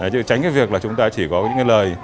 chứ tránh cái việc là chúng ta chỉ có những cái lời